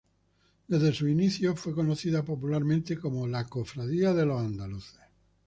Desde sus inicios fue conocida popularmente como la ""Cofradía de los Andaluces"".